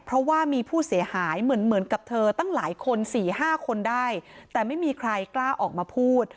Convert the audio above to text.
เพราะว่ามีผู้เสียหายเหมือนเหมือนกับเธอตั้งหลายคนสี่ห้าคนได้แต่ไม่มีใครกล้าออกมาพูด